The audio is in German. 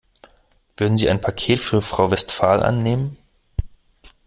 Würden Sie ein Paket für Frau Westphal annehmen?